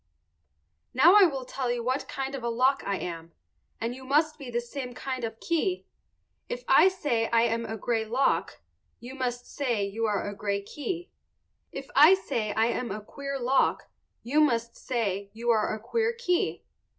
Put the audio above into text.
Now I will tell you what kind of a lock I am, and you must be the same kind of a key. If I say I am a gray lock, you must say you are a gray key. If I say I am a queer lock you must say you are a queer key.